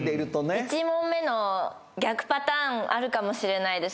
一問目の逆パターンあるかもしれないです